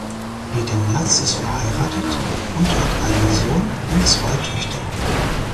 Peter Merz ist verheiratet und hat einen Sohn und zwei Töchter.